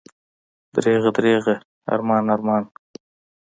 دریغه، دریغه، ارمان، ارمان!